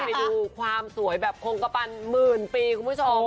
ไปดูความสวยแบบคงกระปันหมื่นปีคุณผู้ชม